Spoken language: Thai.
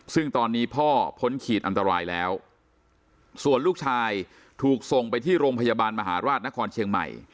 ซึ่งตอนนี้พ่อพ้นขีดอันตรายแล้วส่วนลูกชายถูกส่งไปที่โรงพยาบาลมหาราชนครเชียงใหม่